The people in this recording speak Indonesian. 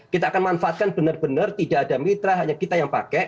kita akan manfaatkan benar benar tidak ada mitra hanya kita yang pakai